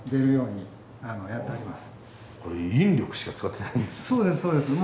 引力しか使ってないんですね。